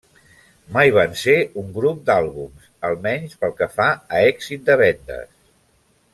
Mai van ser un grup d'àlbums, almenys pel que fa a èxit de vendes.